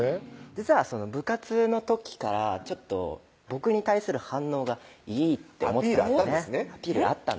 実は部活の時から僕に対する反応がいいってアピールあったんですね